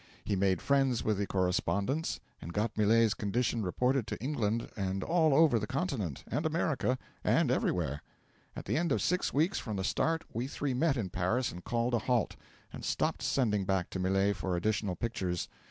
He made friends with the correspondents, and got Millet's condition reported to England and all over the continent, and America, and everywhere. 'At the end of six weeks from the start, we three met in Paris and called a halt, and stopped sending back to Millet for additional pictures.